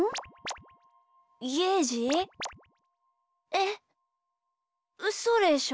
えっうそでしょ？